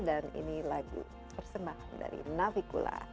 dan ini lagu persembahan dari navikula